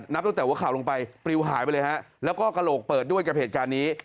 นับตั้งแต่หัวข่าวลงไปปลิวหายไปเลยฮะแล้วก็กระโหลกเปิดด้วยกับเหตุการณ์นี้